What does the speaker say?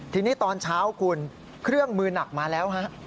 ทีนี้ตอนเช้าคุณเครื่องมือหนักมาแล้วฮะ